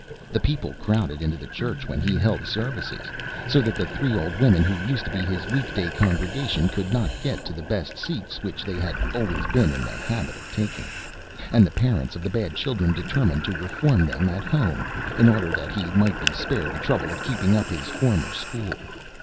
The people crowded into the church when he held services, so that the three old women who used to be his week day congregation could not get to the best seats, which they had always been in the habit of taking; and the parents of the bad children determined to reform them at home, in order that he might be spared the trouble of keeping up his former school.